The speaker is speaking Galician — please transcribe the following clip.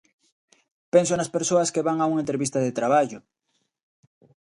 Penso nas persoas que van a unha entrevista de traballo.